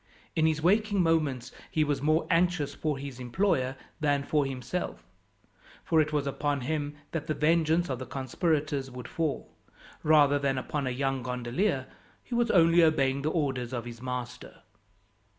In his waking moments he was more anxious for his employer than for himself, for it was upon him that the vengeance of the conspirators would fall, rather than upon a young gondolier, who was only obeying the orders of his master.